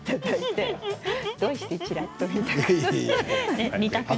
どうしてちらっと見たの？